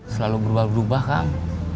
selalu berubah berubah kang